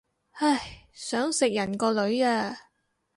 唉，想食人個女啊